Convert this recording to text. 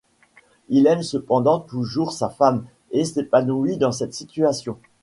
Il aime cependant toujours sa femme, et s'épanouit dans cette situation.